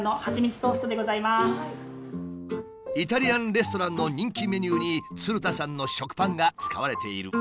イタリアンレストランの人気メニューに鶴田さんの食パンが使われている。